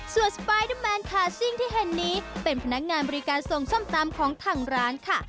ส่วนสปายเดอร์แมนคาซิ่งที่เห็นนี้เป็นพนักงานบริการส่งส้มตำของทางร้านค่ะ